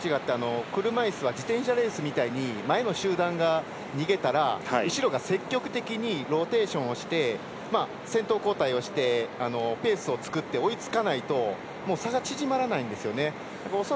足で走るマラソンと違って車いすは自転車レースみたいに前の集団が逃げたら後ろがローテーションをして先頭交代をしてペースを作って追いつかないと差が縮まらないんですよね。